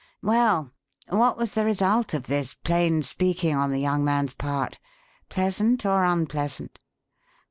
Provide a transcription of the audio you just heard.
Well, what was the result of this plain speaking on the young man's part? Pleasant or unpleasant?"